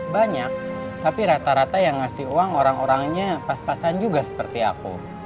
banyak tapi rata rata yang ngasih uang orang orangnya pas pasan juga seperti aku